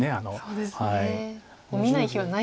そうですね。